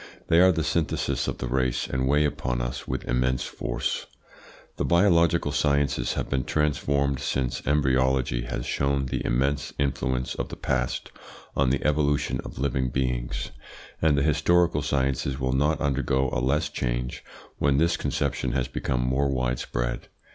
They are the synthesis of the race, and weigh upon us with immense force. The biological sciences have been transformed since embryology has shown the immense influence of the past on the evolution of living beings; and the historical sciences will not undergo a less change when this conception has become more widespread.